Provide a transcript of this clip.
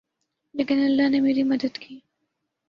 لیکن اللہ نے میری مدد کی